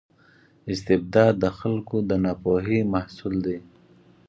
استبداد د خلکو د ناپوهۍ محصول دی.